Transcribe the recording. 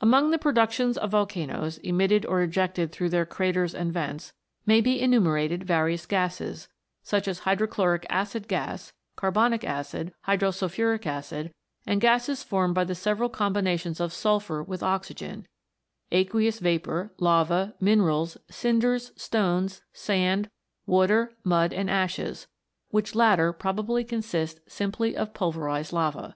Among the productions of volcanoes, emitted or ejected through their craters and vents, may be enumerated various gases such as hydrochloric acid gas, carbonic acid, hydrosulphuric acid, and gases formed by the several combinations of sulphur with oxygen ; aqueous vapour, lava, mine rals, cinders, stones, sand, water, mud, and ashes which latter probably consist simply of pulverized lava.